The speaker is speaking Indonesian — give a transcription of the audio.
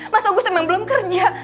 mas agus emang belum kerja